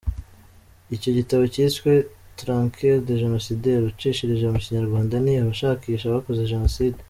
Iki gitabo cyiswe,"Traqueurs de génocidaires" ucishirije mu kinyarwanda ni « Abashakisha abakoze jenoside.